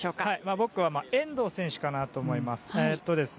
僕は遠藤選手かなと思います。